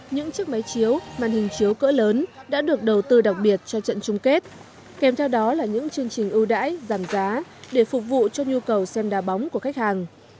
những chiếc máy chiếu màn hình chiếu cỡ lớn đã được đầu tư đặc biệt cho trận chung kết kèm theo đó là những chương trình ưu đãi giảm giá để phục vụ cho nhu cầu xem đà bóng của khách hàng